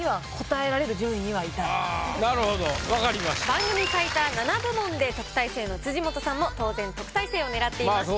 番組最多７部門で特待生の辻元さんも当然特待生を狙っています。